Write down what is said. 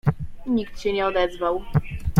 Nikt się nie odezwał.